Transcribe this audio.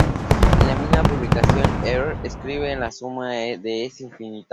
En la misma publicación, Euler escribe que la suma de es infinita.